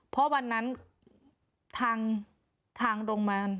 ทางโรงพยาบาล